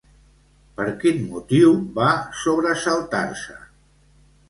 Per quin motiu va sobresaltar-se?